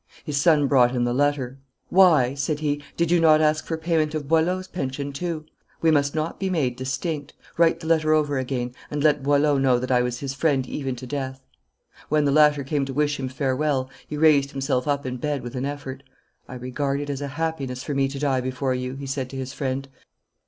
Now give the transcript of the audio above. His son brought him the letter. 'Why,' said he, 'did not you ask for payment of Boileau's pension too? We must not be made distinct. Write the letter over again, and let Boileau know that I was his friend even to death.' When the latter came to wish him farewell, he raised himself up in bed with an effort. 'I regard it as a happiness for me to die before you,' he said to his friend.